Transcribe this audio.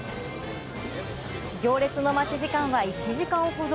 行列の待ち時間は１時間ほど。